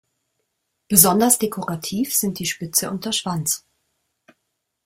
Besonders dekorativ sind die Spitze und der Schwanz.